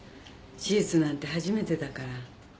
手術なんて初めてだから。